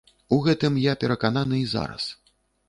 У гэтым я перакананы і зараз.